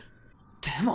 でも。